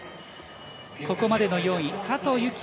ここまでの４位佐藤幸